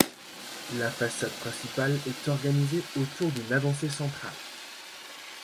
La façade principale est organisée autour d'une avancée centrale.